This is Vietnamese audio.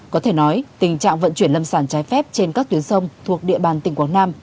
có thể nói tình trạng vận chuyển lâm sản trái phép trên các tuyến sông thuộc địa bàn tỉnh quảng nam